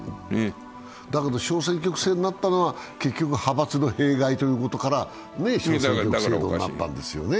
だけど小選挙区制になったのは派閥の弊害ということから小選挙区制になったんですよね。